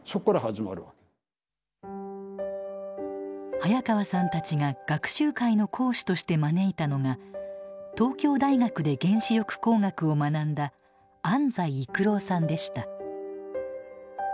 早川さんたちが学習会の講師として招いたのが東京大学で原子力工学を学んだ安斎育郎さんでした。